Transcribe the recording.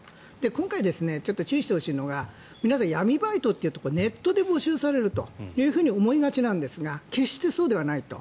今回、注意してほしいのが皆さん闇バイトというとネットで募集されると思いがちなんですが決してそうではないと。